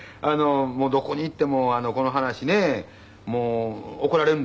もうどこに行ってもこの話ね怒られるんですけども。